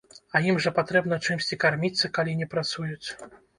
А ім жа патрэбна чымсьці карміцца, калі не працуюць.